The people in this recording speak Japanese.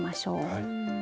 はい。